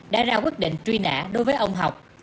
đã ra quyết định truy nã đối với ông học